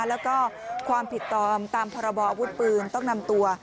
แล้วก็ความผิดตามพรบออาวุธปืนต้องนำตัว